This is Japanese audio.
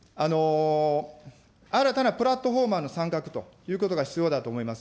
新たなプラットフォーマーの参画ということが必要だと思います。